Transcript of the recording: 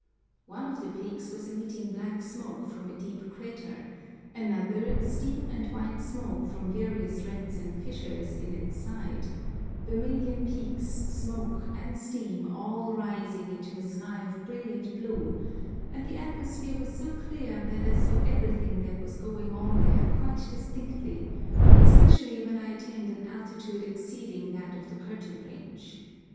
One of the peaks was emitting black smoke from a deep crater, another steam and white smoke from various rents and fissures in its side—vermilion peaks, smoke, and steam all rising into a sky of brilliant blue, and the atmosphere was so clear that I saw everything that was going on there quite distinctly, especially when I attained an altitude exceeding that of the curtain range.